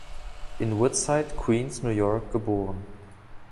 In Woodside, Queens, New York, geboren.